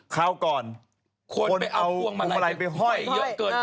คราวก่อนคนไปเอาพวงมาลัยไปห้อยเยอะเกิน